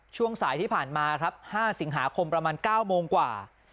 ช่วงสายที่ผ่านมาครับ๕สิงหาคมประมาณ๙โมงกว่า